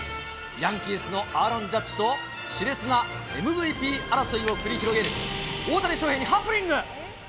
ヤンキースのアーロン・ジャッジと、しれつなＭＶＰ争いを繰り広げる、大谷翔平にハプニング。